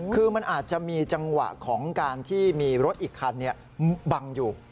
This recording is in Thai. คือมันอาจจะมีจังหวะของการที่มีรถอีกคันบังอยู่